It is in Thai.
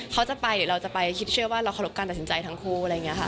เขาจะไปหรือเราจะไปคิดเชื่อว่าเราขอลบการตัดสินใจทั้งคู่